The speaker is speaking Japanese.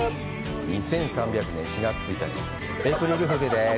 ２３００年４月１日、エイプリルフールです。